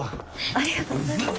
ありがとうございます。